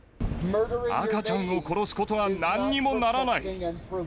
赤ちゃんを殺すことはなんにもならない。